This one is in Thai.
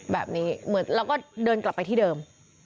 แบบนี้เหมือนเราก็เดินกลับไปที่เดิม